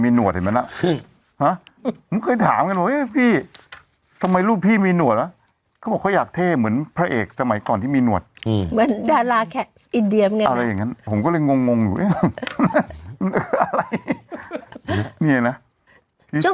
นี่เนี่ยน่ะช่วงช่วงก่อนใส่ใส่หน้ากากเป็นเป็นรูปใช่แล้ว